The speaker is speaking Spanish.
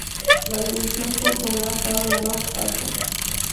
La dirección correrá a cargo Rob Ashford.